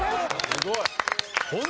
すごい。